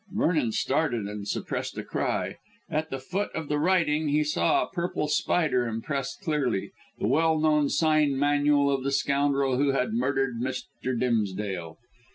Vernon started, and suppressed a cry. At the foot of the writing he saw a purple spider impressed clearly the well known sign manual of the scoundrel who had murdered Mr. Dimsdale.